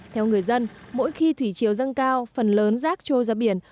theo người dân mỗi khi thủy chiều dâng cao phần lớn rác trôi ra biển